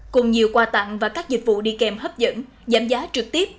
cùng nhiều quà tặng và các dịch vụ đi kèm hấp dẫn giảm giá trực tiếp